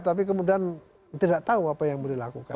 tapi kemudian tidak tahu apa yang boleh dilakukan